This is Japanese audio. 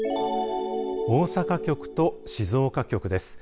大阪局と静岡局です。